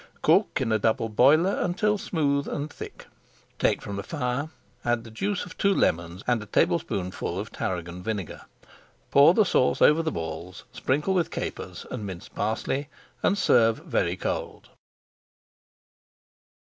Cook in a double boiler until smooth and thick. Take from the fire, add the juice of two lemons, and a tablespoonful of tarragon vinegar. Pour the sauce over the balls, sprinkle with capers and minced parsley, and serve very cold.